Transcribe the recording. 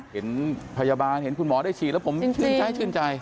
เห็นพยาบาลเห็นคุณหมอได้ฉีดแล้วผมชื่นใจชื่นใจ